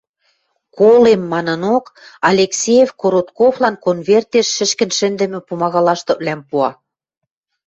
«Колем» манынок, Алексеев Коротковлан конвертеш шӹшкӹн шӹндӹмӹ пумага лаштыквлӓм пуа.